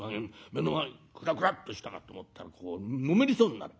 目の前くらくらっとしたかと思ったらこうのめりそうになった。